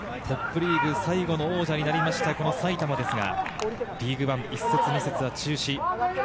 トップリーグ最後の王者になりました埼玉ですが、リーグワン１節、２節は中止。